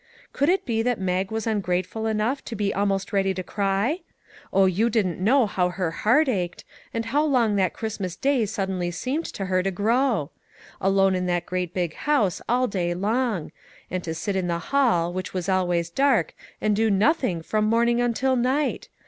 Could it be that Mag was ungrateful enough to be almost ready to cry? Oh, you don't know how her heart ached, and how long that Christ mas Day suddenly seemed to her to grow. Alone in that great big house all day long ; and to sit in the hall, which was always dark, and do nothing from morning until night